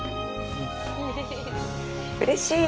うれしい！